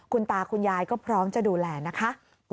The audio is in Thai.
คุณตาคุณยายก็พร้อมจะดูแลนะคะ